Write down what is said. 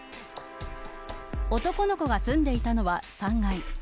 男の子が住んでいたのは３階。